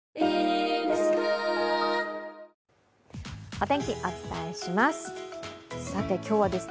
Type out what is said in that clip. お天気、お伝えします。